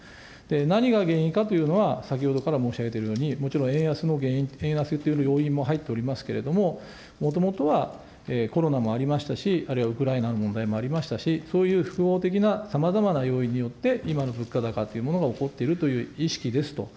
何が原因かというのは、先ほどから申し上げているように、もちろん円安による要因も入っておりますけれども、もともとはコロナもありましたし、あるいはウクライナの問題もありましたし、そういう複合的な、さまざまな要因によって、今の物価高というものが起こっているという意識ですと。